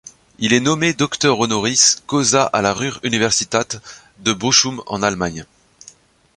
Il est nommé docteur honoris causa à la Ruhr-Universität de Bochum en Allemagne.